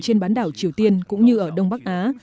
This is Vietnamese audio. trên bán đảo triều tiên cũng như ở đông bắc á